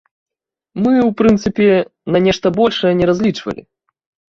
Мы ў прынцыпе на нешта большае не разлічвалі.